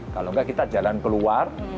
kalau enggak kita jalan keluar